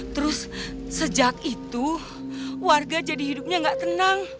terus sejak itu warga jadi hidupnya gak tenang